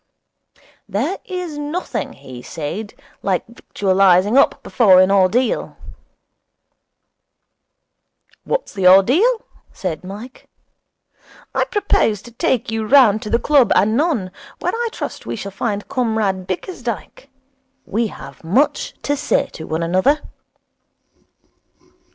'There is nothing,' he said, 'like victualling up before an ordeal.' 'What's the ordeal?' said Mike. 'I propose to take you round to the club anon, where I trust we shall find Comrade Bickersdyke. We have much to say to one another.'